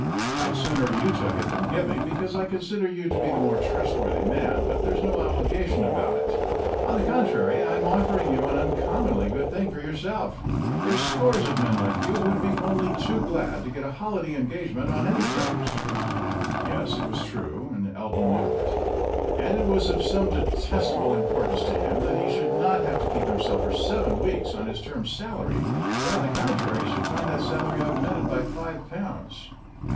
I'd sooner you took it than Gibbing, because I consider you to be the more trustworthy man, but there's no obligation about it. On the contrary, I am offering you an uncommonly good thing for yourself. There's scores of men like you who'd be only too glad to get a holiday engagement on any terms." Yes, that was true, and Elton knew it. And it was of some detestable importance to him that he should not have to keep himself for seven weeks on his term's salary, but, on the contrary, should find that salary augmented by five pounds.